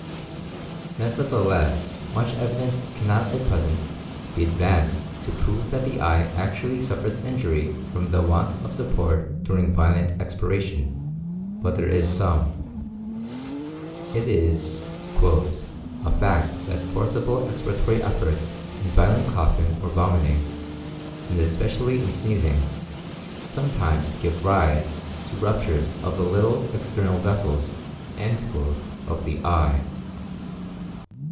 Nevertheless much evidence cannot at present be advanced to prove that the eye actually suffers injury from the want of support during violent expiration; but there is some. It is "a fact that forcible expiratory efforts in violent coughing or vomiting, and especially in sneezing, sometimes give rise to ruptures of the little (external) vessels" of the eye.